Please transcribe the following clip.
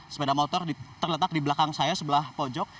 sepeda motor terletak di belakang saya sebelah pojok